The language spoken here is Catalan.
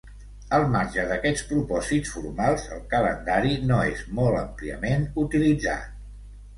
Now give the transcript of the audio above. Al marge d'aquests propòsits formals, el calendari no és molt àmpliament utilitzat.